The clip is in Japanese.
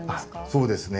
そうですね。